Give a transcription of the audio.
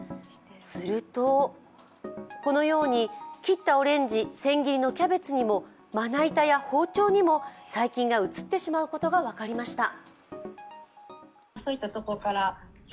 すると、このように切ったオレンジ千切りのキャベツにもまな板や包丁にも細菌が移ってしまうことが分かりました。